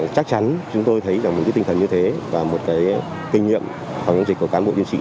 chắc chắn chúng tôi thấy được một tinh thần như thế và một kinh nghiệm của những dịch của cán bộ dân sĩ